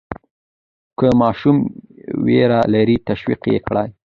که ماشوم ویره لري، تشویق یې وکړئ.